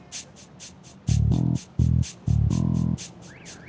masih jenuh nyopet